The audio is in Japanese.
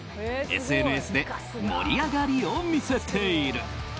ＳＮＳで盛り上がりを見せている。